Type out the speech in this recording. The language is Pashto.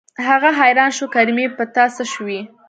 هغه حيران شو کریمې په تا څه شوي.